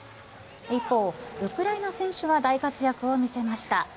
一方、ウクライナ選手は大活躍を見せました。